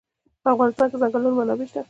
په افغانستان کې د ځنګلونه منابع شته.